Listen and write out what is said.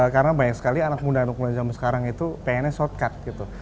karena banyak sekali anak muda anak muda zaman sekarang itu pengennya shortcut gitu